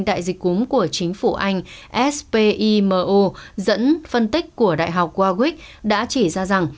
đại dịch cúng của chính phủ anh spimo dẫn phân tích của đại học warwick đã chỉ ra rằng